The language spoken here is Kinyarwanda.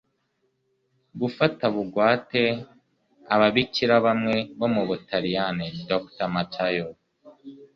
gufata bugwate ababikira bamwe bo mu butaliyani. dr matayo